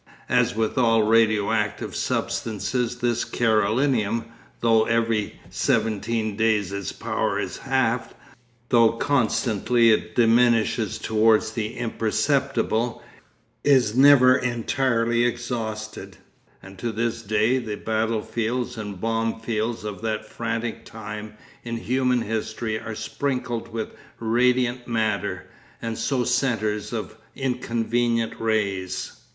As with all radio active substances this Carolinum, though every seventeen days its power is halved, though constantly it diminishes towards the imperceptible, is never entirely exhausted, and to this day the battle fields and bomb fields of that frantic time in human history are sprinkled with radiant matter, and so centres of inconvenient rays.